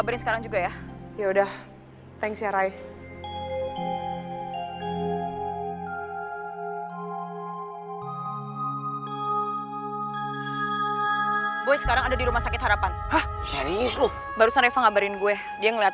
rusan kita belum sesat